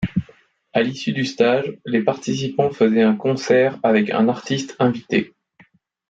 À l'issue du stage, les participants faisaient un concert avec un artiste invité.